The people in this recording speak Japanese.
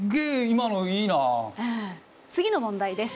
次の問題です。